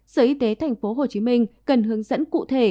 sở y tế tp hcm cần hướng dẫn cụ thể